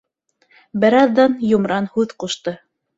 Бер аҙҙан йомран һүҙ ҡушты.